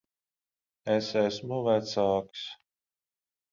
Es esmu vecāks.